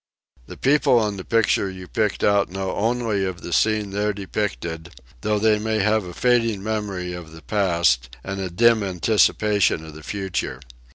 The people on the picture you picked out know only of the scene there depicted though they may have a fading memory of the past and a dim anticipation of the future.